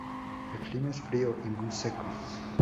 El clima es frío, y muy seco.